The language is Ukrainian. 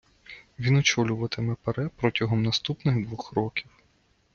Він очолюватиме ПАРЄ протягом наступних двох років.